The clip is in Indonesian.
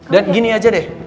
dan gini aja deh